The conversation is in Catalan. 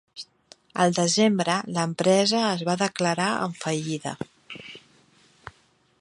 Al desembre, l'empresa es va declarar en fallida.